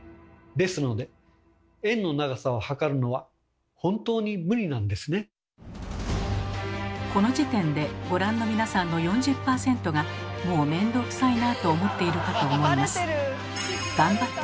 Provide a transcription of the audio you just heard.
ですのでこの時点でご覧の皆さんの４０％がもうめんどくさいなと思っているかと思います。